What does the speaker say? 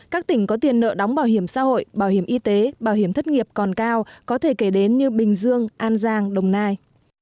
các tỉnh có tiền nợ đóng bảo hiểm xã hội bảo hiểm y tế bảo hiểm thất nghiệp còn cao có thể kể đến như bình dương an giang đồng nai